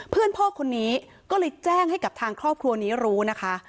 เพื่อนพ่อคนนี้ก็เลยแจ้งให้กับทางครอบครัวนี้รู้นะคะ